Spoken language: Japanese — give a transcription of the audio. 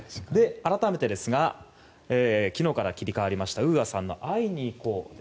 改めてですが昨日から切り替わりましたＵＡさんの「会いにいこう」。